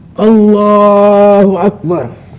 sekarang kita jalan